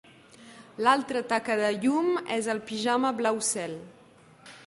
L'altra taca de llum és el pijama blau cel.